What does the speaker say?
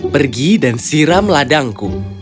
pergi dan siram ladangku